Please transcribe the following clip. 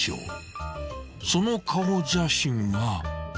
［その顔写真は］